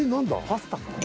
パスタか？